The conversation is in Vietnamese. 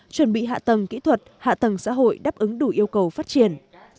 chuẩn bị hạ tầng kỹ thuật hạ tầng xã hội đáp ứng đủ yêu cầu phát triển